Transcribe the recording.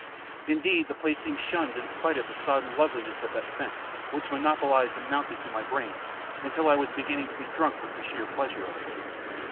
Indeed, the place seemed shunned in spite of the sodden loveliness of that scent which monopolised and mounted to my brain until I was beginning to be drunk with the sheer pleasure of it.